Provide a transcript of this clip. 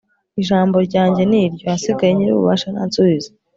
ijambo ryanjye ni iryo, ahasigaye nyir'ububasha nansubize